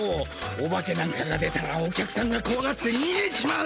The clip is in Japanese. おばけなんかが出たらお客さんがこわがってにげちまう。